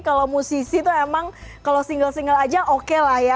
kalau musisi itu emang kalau single single aja oke lah ya